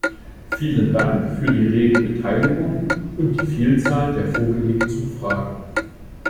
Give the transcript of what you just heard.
Vielen Dank für die rege Beteiligung und die Vielzahl der vorgelegten Fragen.